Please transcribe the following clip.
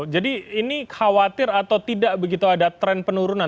ini khawatir atau tidak begitu ada tren penurunan